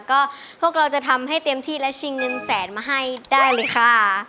ก็พวกเราจะทำให้เต็มที่และชิงเงินแสนมาให้ได้เลยค่ะ